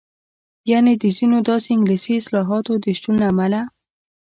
یعنې د ځینو داسې انګلیسي اصطلاحګانو د شتون له امله.